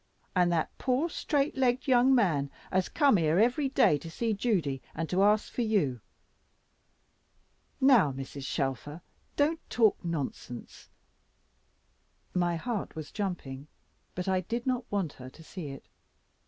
And that poor straight legged young man, as come here every day to see Judy, and to ask for you." "Now, Mrs. Shelfer, don't talk nonsense," my heart was jumping, but I did not want her to see it.